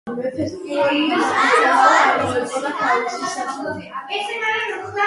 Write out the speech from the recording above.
დამა ნიგერის ეროვნულ სიმბოლოს წარმოადგენს.